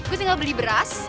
gue tinggal beli beras